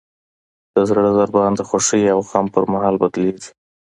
د زړه ضربان د خوښۍ او غم پر مهال بدلېږي.